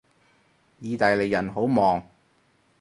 意大利人好忙